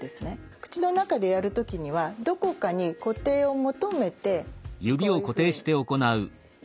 口の中でやる時にはどこかに固定を求めてこういうふうに。